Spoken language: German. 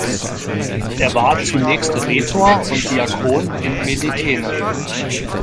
Er war zunächst Rhetor und Diakon in Melitene.